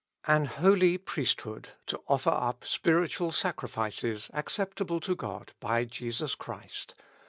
An holy priesthood, to offer tip spiritual sacrifices accept able to God by Jesus Christ.